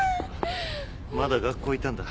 まだ学校いたんだ。